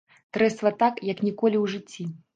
Трэсла так, як ніколі ў жыцці.